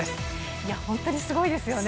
いや、本当にすごいですよね。